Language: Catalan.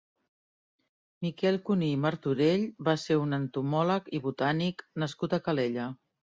Miquel Cuní i Martorell va ser un entomòleg i botànic nascut a Calella.